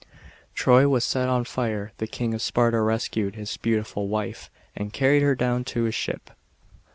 Troy was set on fire, the King of Sparta rescued hi& beautiful wife and carried her down to his ship.